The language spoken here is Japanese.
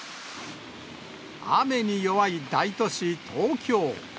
雨に弱い大都市、東京。